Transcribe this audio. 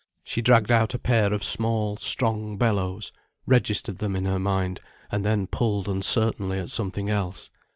She dragged out a pair of small, strong bellows, registered them in her mind, and then pulled uncertainly at something else.